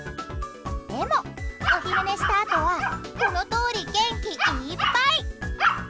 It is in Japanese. でも、お昼寝したあとはこのとおり、元気いっぱい！